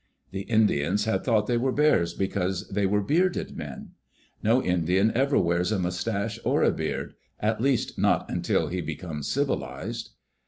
The Indians had thought they were bears because they were bearded men. No Indian ever wears a mustache or a beard — at least not until he becomes civilized.